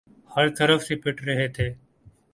ہر طرف سے پٹ رہے تھے۔